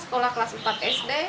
sekolah kelas empat sd